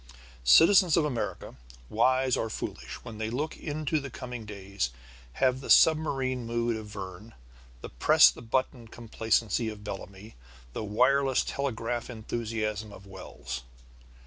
Citizens of America, wise or foolish, when they look into the coming days, have the submarine mood of Verne, the press the button complacency of Bellamy, the wireless telegraph enthusiasm of Wells.